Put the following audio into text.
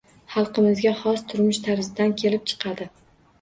Xalqimizga xos turmush tarzidan kelib chiqadi.